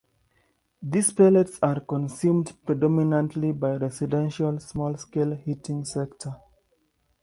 These pellets are consumed predominantly by residential small scale heating sector.